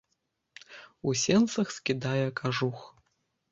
У сенцах скідае кажух.